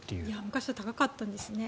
昔は高かったんですね。